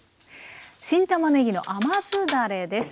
新たまねぎの甘酢だれです。